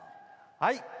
はい。